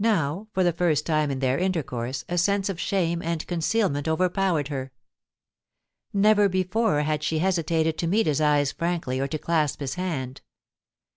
Now, for the first time in their intercourse, a sense of shame and concealment overpowered her. Never before had she hesitated to meet his eyes frankly or to clasp his hand.